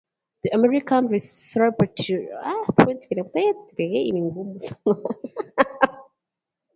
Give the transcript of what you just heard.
The American Respiratory Care Foundation names one of its annual awards after Bird.